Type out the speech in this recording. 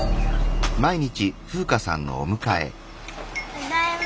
ただいま。